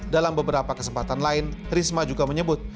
dalam beberapa kesempatan lain risma juga menyebut